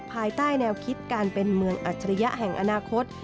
ภายใต้แนวคิดการเป็นเมืองอัจฉริยะแห่งอนาคต